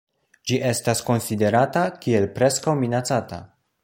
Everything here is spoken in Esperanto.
Ĝi estas konsiderata kiel Preskaŭ Minacata.